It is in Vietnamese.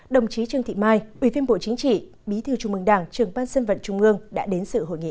đồng chí trương thị mai ubnd bí thư trung mừng đảng trường ban sân vận trung ương đã đến sự hội nghị